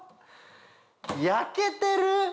焼けてる！